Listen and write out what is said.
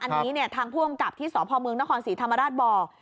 อันนี้ทางผู้กำกับที่สพเมืองนครศรีธรรมราชบอก